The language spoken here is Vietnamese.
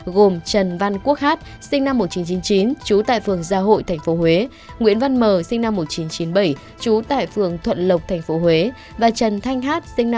gồm trần văn quốc hát sinh năm một nghìn chín trăm chín mươi chín trú tại phường gia hội tp huế nguyễn văn m sinh năm một nghìn chín trăm chín mươi bảy trú tại phường thuận lộc tp huế và trần thanh hát sinh năm một nghìn chín trăm tám